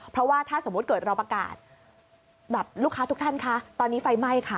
เพราะว่าถ้าสมมุติเกิดเราประกาศแบบลูกค้าทุกท่านคะตอนนี้ไฟไหม้ค่ะ